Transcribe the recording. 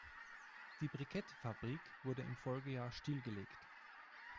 Die Brikettfabrik wurde im Folgejahr stillgelegt.